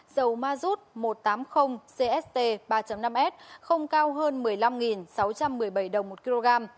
dầu mazut một trăm tám mươi cst ba năm s không cao hơn một mươi năm sáu trăm một mươi bảy đồng một kg